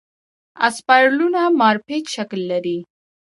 اسپایرلونه مارپیچ شکل لري.